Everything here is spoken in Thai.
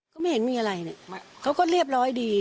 ก็ไม่เห็นมีอะไรเนี่ยเขาก็เรียบร้อยดี